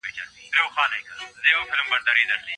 دواړه اړخونه خپل تصميم کله بدلولای سي؟